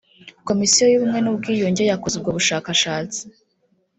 Komisiyo y’ubumwe n’ubwiyunge yakoze ubwo bushakashatsi